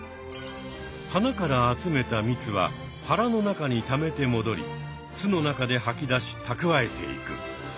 花から集めた蜜ははらの中にためてもどり巣の中で吐き出したくわえていく。